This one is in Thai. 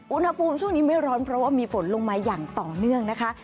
อุณหภูมิช่วงนี้ไม่ร้อนเพราะว่ามีฝนลงมาอย่างต่อเนื่องนะคะ